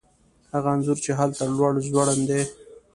هغه انځور چې هلته لوړ ځوړند دی